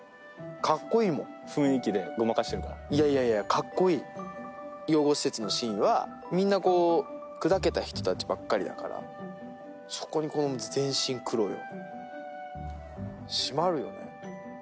かっこいいもん雰囲気でごまかしてるからいやいやいやかっこいい養護施設のシーンはみんなこう砕けた人達ばっかりだからそこにこの全身黒よ締まるよね